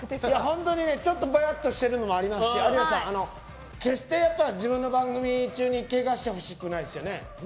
本当にぼやっとしているのもありますし有吉さん、決して自分の番組中にけがしてほしくないですよね？